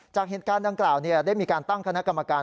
จากเหตุการณ์ดังกล่าวได้มีการตั้งคณะกรรมการ